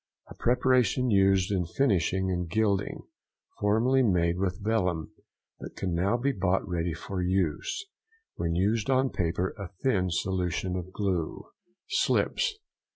—A preparation used in finishing and gilding, formerly made with vellum, but can now be bought ready for use. When used on paper a thin solution of glue. SLIPS.